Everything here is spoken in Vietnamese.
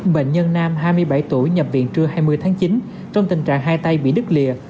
bệnh nhân nam hai mươi bảy tuổi nhập viện trưa hai mươi tháng chín trong tình trạng hai tay bị đứt lìa